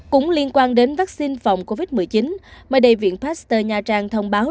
cũng liên quan đến vaccine phòng covid một mươi chín mời đại viện pasteur nha trang thông báo